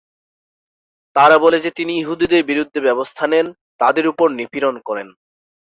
তারা বলে যে তিনি ইহুদিদের বিরুদ্ধে ব্যবস্থা নেন তাদের ওপর নিপীড়ন করেন।